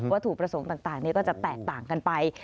ถูกประสงค์ต่างก็จะแตกต่างกันไป